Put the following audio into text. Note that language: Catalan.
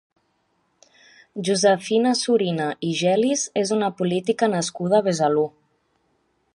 Josefina Surina i Gelis és una política nascuda a Besalú.